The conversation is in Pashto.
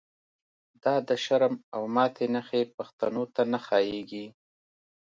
دا د شرم او ماتی نښی، پښتنو ته نه ښا ييږی